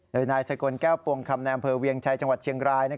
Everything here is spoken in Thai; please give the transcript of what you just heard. โดยนายสกลแก้วปวงคำในอำเภอเวียงชัยจังหวัดเชียงราย